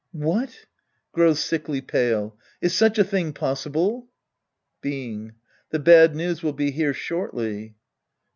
What! {Grows sickly pale!) Is such a thing possible ? Being. The bad news will be here shortly.